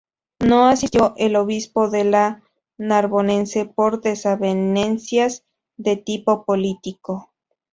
No asistió el obispo de la Narbonense por desavenencias de tipo político.